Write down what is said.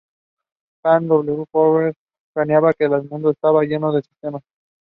He also taught bookkeeping for free to help the running of local cooperatives.